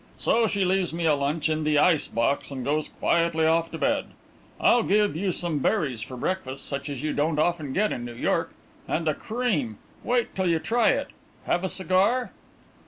So she leaves me a lunch in the ice box, and goes quietly off to bed. I'll give you some berries for breakfast such as you don't often get in New York and the cream wait till you try it! Have a cigar?"